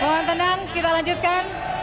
mohon tenang kita lanjutkan